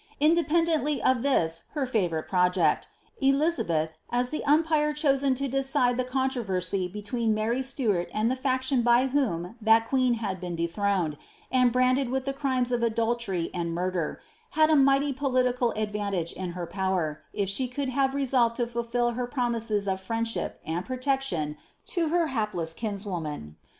Independently of this, her favourite pro j'^cL Elizabeth, as the umpire chosen to decide the controversy between Mary Stuart and the faction by whom that queen iiad been dethroned, •iifi branded with the crimes of adultery and murder, had a mighty po iiiical advantage in her power, if she could have resolved to fultil her promises of friendship and protection to her hapless kinswoman.